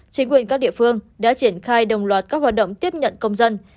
chính quyền các địa phương đã triển khai đồng loạt các hoạt động tiếp nhận công dân